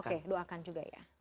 oke doakan juga ya